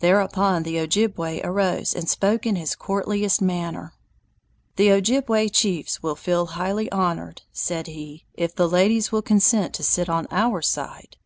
Thereupon the Ojibway arose and spoke in his courtliest manner. "The Ojibway chiefs will feel highly honored," said he, "if the ladies will consent to sit on our side."